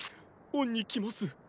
恩に着ます。